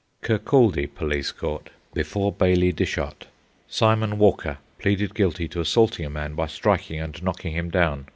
Kirkcaldy Police Court. Before Bailie Dishart. Simon Walker pleaded guilty to assaulting a man by striking and knocking him down.